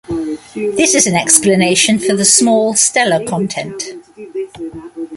This is an explanation for the small stellar content.